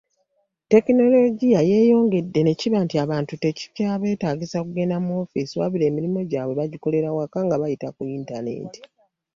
Tekinologiya yeeyongedde ne kiba nti abantu tekikyabeetaagisa kugenda mu ofiisi wabula emirimu gyabwe bagikolera waka nga bayitira ku yintaneeti.